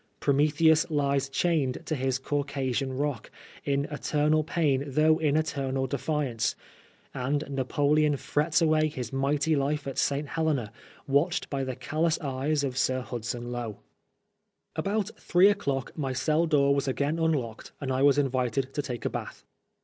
Prometheus Ues chained to his Caucasian rock, in eternal pain though in eternal defiance ; and Napoleon frets away his mighty life at St. Helena watched by the callous eyes of Sir Hudson Lowe. About three o'clock my cell door was again unlocked and I was invited to take a bath.